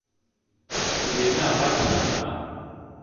இது என்ன ஆட்சிதானா?